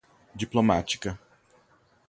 diplomática